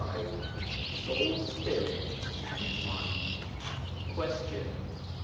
LV SOUL, SPIRIT, AND MIND Question.